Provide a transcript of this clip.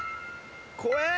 怖え！